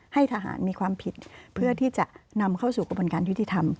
ให้ทหารมีความผิดเพื่อที่จะนำเข้าสู่กระบวนการยุติธรรม